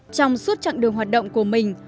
trong suốt chặng đường hoạt động của mình